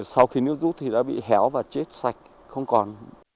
sau khi nước rút thì đã bị héo và chết sạch không còn